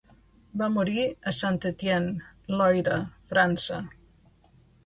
Va morir a Saint-Étienne, Loira, França.